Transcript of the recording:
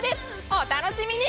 お楽しみに！